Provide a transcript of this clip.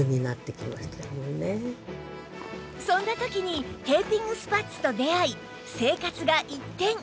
そんな時にテーピングスパッツと出会い生活が一転！